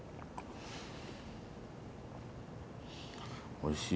おいしい。